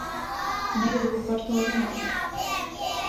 Negribu par to runāt.